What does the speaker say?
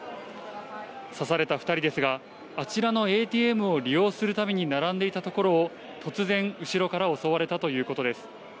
刺された２人ですが、あちらのＡＴＭを利用するために並んでいたところを、突然、後ろから襲われたということです。